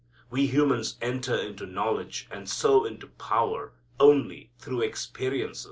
We humans enter into knowledge and so into power only through experience.